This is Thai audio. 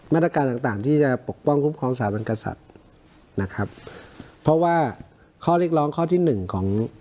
มาตรการต่างต่างที่จะปกป้องคุ้มครองสถาบันกษัตริย์นะครับเพราะว่าข้อเรียกร้องข้อที่หนึ่งของ